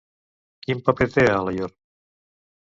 Quin paper té a Alaior?